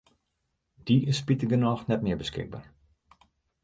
Dy is spitigernôch net mear beskikber.